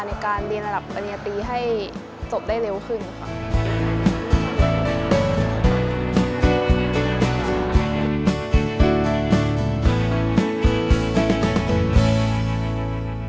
ในการเรียนระดับปริญญาตรีให้จบได้เร็วขึ้นค่ะ